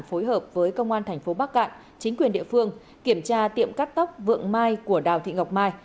phối hợp với công an thành phố bắc cạn chính quyền địa phương kiểm tra tiệm cắt tóc vượng mai của đào thị ngọc mai